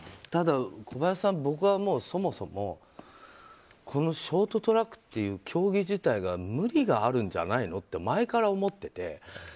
ただ、小林さん僕はもうそもそもこのショートトラックっていう競技自体が無理があるんじゃないのって前から思ってて。